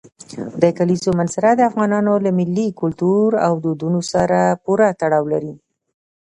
د کلیزو منظره د افغانانو له ملي کلتور او دودونو سره پوره تړاو لري.